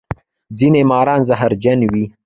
ځینې ماران زهرجن وي